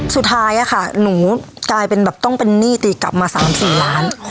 สุดท้ายอะค่ะหนูกลายเป็นแบบต้องเป็นหนี้ตีกลับมา๓๔ล้าน